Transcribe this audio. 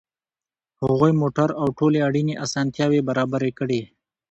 هغوی موټر او ټولې اړینې اسانتیاوې برابرې کړې